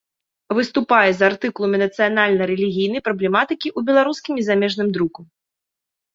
Выступае з артыкуламі нацыянальна-рэлігійнай праблематыкі ў беларускім і замежным друку.